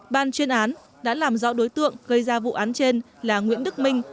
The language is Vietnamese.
ban chuyên án đã làm rõ đối tượng gây ra vụ án trên là nguyễn đức minh